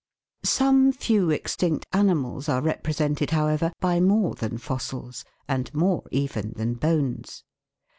Some few extinct animals are represented, however, by more than fossils, and more even than bones.